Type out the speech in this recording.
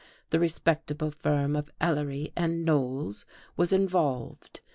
The respectable firm of Ellery and Knowles was involved.